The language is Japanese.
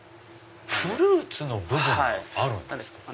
フルーツの部分があるんですか？